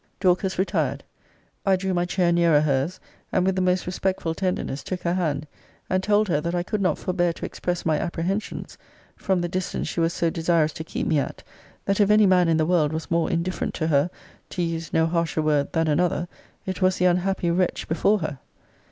Dorcas retired; I drew my chair nearer her's, and with the most respectful tenderness took her hand; and told her, that I could not forbear to express my apprehensions (from the distance she was so desirous to keep me at) that if any man in the world was more indifferent to her, to use no harsher word, than another, it was the unhappy wretch before her.